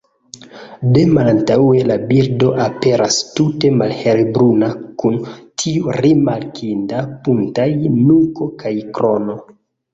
De malantaŭe la birdo aperas tute malhelbruna kun tiu rimarkinda buntaj nuko kaj krono.